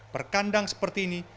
per kandang seperti ini